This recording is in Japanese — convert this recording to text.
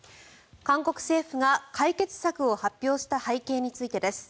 韓国政府が解決策を発表した背景についてです。